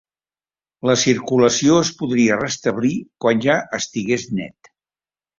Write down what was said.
La circulació es podria restablir quan ja estigués net.